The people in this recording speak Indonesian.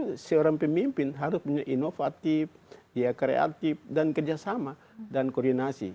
jadi orang pemimpin harus punya inovatif kreatif kerjasama dan koordinasi